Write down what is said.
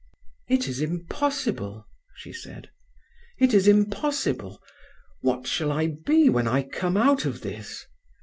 "It is impossible," she said; "it is impossible! What shall I be when I come out of this?